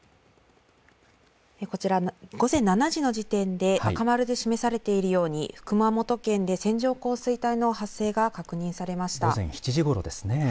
こちら、午前７時の時点で赤丸で示されているように熊本県で線状降水帯の発生が確認されました。